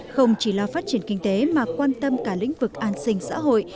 không chỉ lo phát triển kinh tế mà quan tâm cả lĩnh vực an sinh xã hội